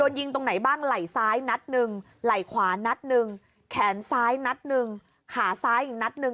โดนยิงตรงไหนบ้างไหลซ้ายหนัดนึงไหลขวานัดนึงแขนซ้ายหนัดนึงขาซ้ายอีกหนัดนึง